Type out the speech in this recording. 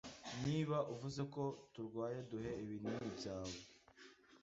Niba uvuze ko turwayeDuhe ibinini byawe